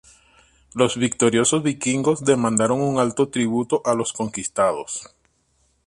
Los victoriosos vikingos demandaron un alto tributo a los conquistados.